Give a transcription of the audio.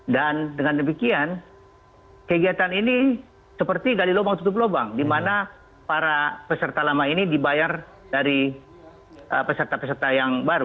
dan dengan demikian kegiatan ini seperti gali lubang tutup lubang di mana para peserta lama ini dibayar dari peserta peserta yang baru